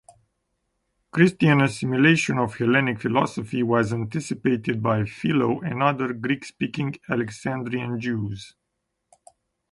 Christian assimilation of Hellenic philosophy was anticipated by Philo and other Greek-speaking Alexandrian Jews.